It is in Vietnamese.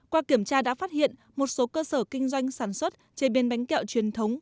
qua kiểm tra đã phát hiện một số cơ sở kinh doanh sản xuất chế biến bánh kẹo truyền thống